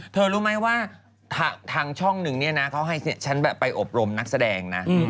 เธอรู้ไหมว่าทางช่องนึงนะเขาให้ฉันไปอบรมนักแสดง